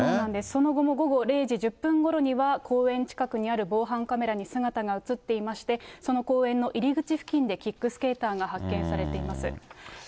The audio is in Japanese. その後も午後０時１０分ごろには、公園近くにある防犯カメラに姿が写っていまして、その公園の入り口付近で、キックスケーターが発見されています。